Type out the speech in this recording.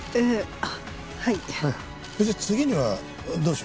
ああはい。